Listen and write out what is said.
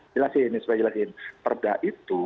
jelasin ini supaya jelasin perda itu